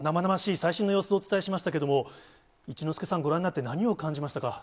最新の様子をお伝えしましたけれども、一之輔さん、ご覧になって、何を感じましたか。